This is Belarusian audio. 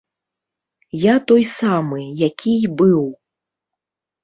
Я той самы, які і быў.